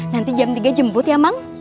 nanti jam tiga jemput ya mang